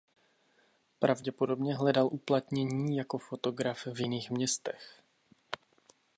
Pravděpodobně hledal uplatnění jako fotograf v jiných městech.